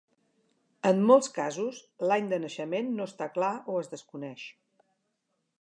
En molts casos, l'any de naixement no està clar o es desconeix.